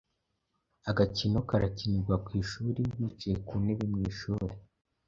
Agakino karakinirwa ku ishuri bicaye ku ntebe mu ishuri